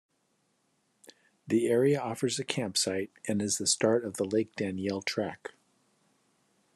The area offers a campsite and is the start of the Lake Daniell Track.